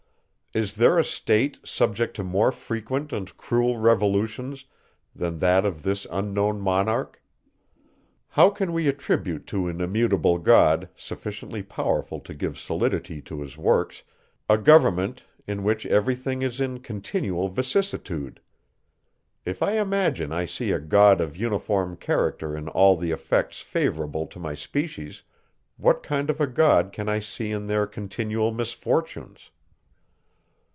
Is there a state, subject to more frequent and cruel revolutions, than that of this unknown monarch? How can we attribute to an immutable God, sufficiently powerful to give solidity to his works, a government, in which every thing is in continual vicissitude? If I imagine I see a God of uniform character in all the effects favourable to my species, what kind of a God can I see in their continual misfortunes?